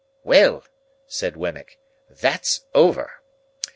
"Well!" said Wemmick, "that's over!